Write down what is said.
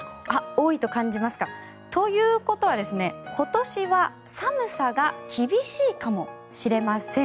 多いと感じますか。ということは今年は寒さが厳しいかもしれません。